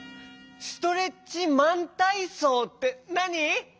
「ストレッチマンたいそう」ってなに？